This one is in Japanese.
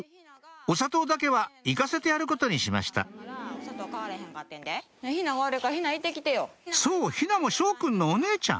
お砂糖だけは行かせてやることにしましたそう「陽菜も翔くんのお姉ちゃん」